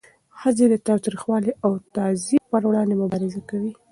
ښځې د تاوتریخوالي او تعذیب پر وړاندې مبارزه کوي.